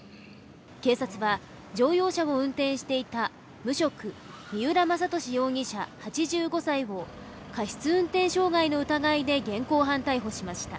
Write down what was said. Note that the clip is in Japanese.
警察は乗用車を運転していた無職、三浦正敏容疑者８５歳を過失運転傷害の疑いで現行犯逮捕しました。